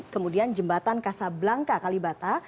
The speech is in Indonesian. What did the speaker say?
kemudian jembatan kasablangka kalibata